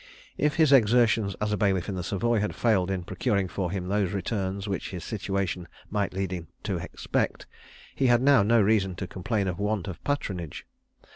If his exertions as a bailiff in the Savoy had failed in procuring for him those returns which his situation might lead him to expect, he had now no reason to complain of want of patronage.